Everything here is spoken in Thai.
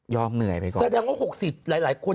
ยอมเหนื่อยไปก่อน